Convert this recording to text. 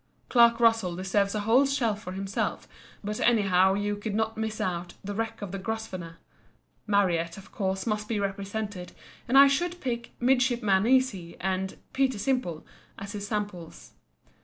Clark Russell deserves a whole shelf for himself, but anyhow you could not miss out "The Wreck of the Grosvenor." Marryat, of course, must be represented, and I should pick "Midshipman Easy" and "Peter Simple" as his samples.